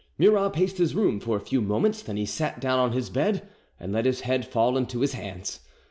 Murat paced his room for a few moments, then he sat down on his bed and let his head fall into his hands.